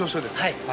はい。